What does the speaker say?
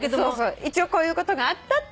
一応こういうことがあったっていうお話でね。